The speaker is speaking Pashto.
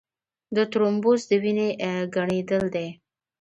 د ترومبوس د وینې ګڼېدل دي.